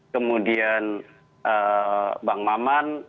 kemudian bang maman